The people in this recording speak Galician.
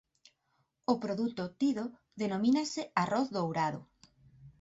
O produto obtido denomínase arroz dourado.